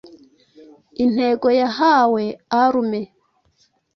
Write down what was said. intego yahawe Arme